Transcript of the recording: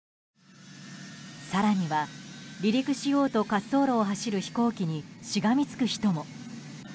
更には離陸しようと滑走路を走る飛行機にしがみつく人も。